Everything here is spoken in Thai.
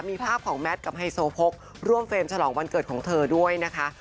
มีภาพของแมทกับไฮโซโพกร่วมเฟรมฉลองวันเกิดของเธอด้วยนะคะ